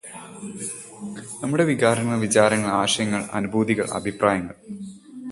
നമ്മുടെ വികാരങ്ങൾ, വിചാരങ്ങൾ, ആശയങ്ങൾ, അനുഭൂതികൾ, അഭിപ്രായങ്ങൾ.